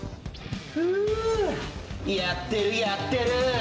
フーッやってるやってる！